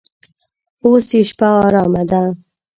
اوس یې شپه ارامه ده.